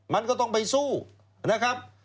มันก็ต้องไปสู้นะครับ